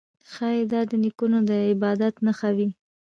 ښايي دا د نیکونو د عبادت نښه وي